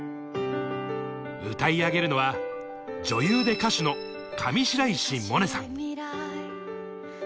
歌い上げるのは女優で歌手の上白石萌音さん。